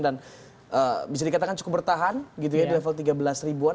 dan bisa dikatakan cukup bertahan gitu ya di level tiga belas an